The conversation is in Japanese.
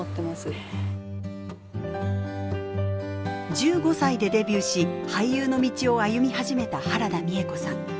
１５歳でデビューし俳優の道を歩み始めた原田美枝子さん。